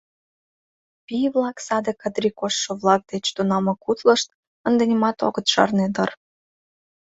Пий-влак саде Кадри-коштшо-влак деч тунамак утлышт, ынде нимат огыт шарне дыр.